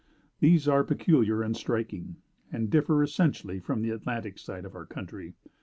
These are peculiar and striking, and differ essentially from the Atlantic side of our country.